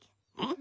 ん？